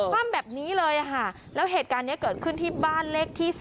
ความแบบนี้เลยค่ะแล้วเหตุการณ์นี้เกิดขึ้นที่บ้านเลขที่๑๐